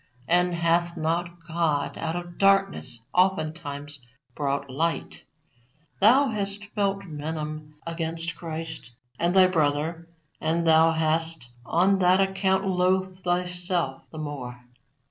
And hath not God out of darkness oftentimes brought light? Thou hast felt venom against Christ and thy brother, and thou hast on that account loathed thyself the more.